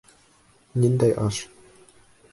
Ниндәй аш?